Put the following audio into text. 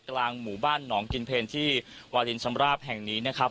กลางหมู่บ้านหนองกินเพลที่วาลินชำราบแห่งนี้นะครับ